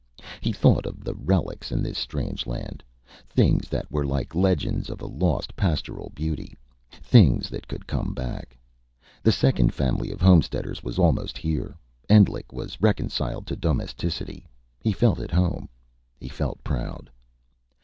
He thought of the relics in this strange land. Things that were like legends of a lost pastoral beauty. Things that could come back. The second family of homesteaders was almost here. Endlich was reconciled to domesticity. He felt at home; he felt proud.